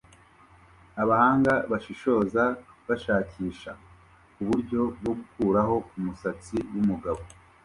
Abahanga bashishoza bashakisha uburyo bwo gukuraho umusatsi wumugabo